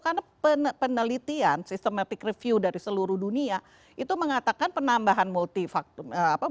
karena penelitian systematic review dari seluruh dunia itu mengatakan penambahan multifaktor